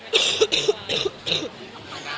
น้ำก่อนน้ำตัวนี้